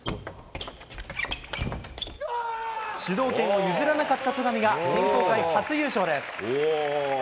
主導権を譲らなかった戸上が、選考会初優勝です。